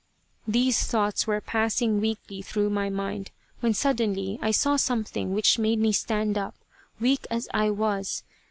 These thoughts were passing weakly through my mind, when suddenly I saw something which made me stand up, weak as I was.